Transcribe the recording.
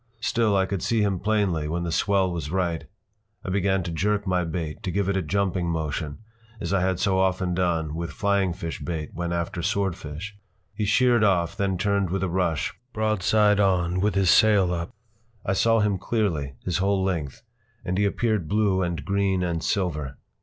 Still I could see him plainly when the swell was right. I began to jerk my bait, to give it a jumping motion, as I had so often done with flying fish bait when after swordfish. He sheered off, then turned with a rush, broadside on, with his sail up. I saw him clearly, his whole length, and he appeared blue and green and silver.